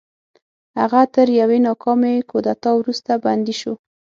هغه تر یوې ناکامې کودتا وروسته بندي شو.